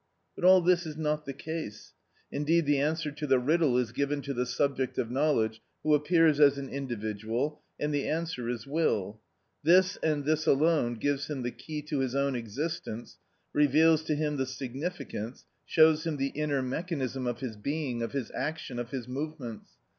But all this is not the case; indeed the answer to the riddle is given to the subject of knowledge who appears as an individual, and the answer is will. This and this alone gives him the key to his own existence, reveals to him the significance, shows him the inner mechanism of his being, of his action, of his movements.